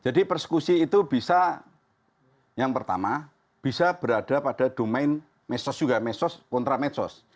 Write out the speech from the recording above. jadi persekusi itu bisa yang pertama bisa berada pada domain medsos juga medsos kontra medsos